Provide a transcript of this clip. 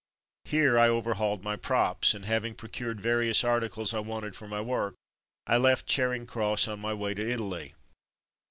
Here I overhauled my "props,'' and having procured various articles I wanted for my work, I left Charing Cross on my way to Italy.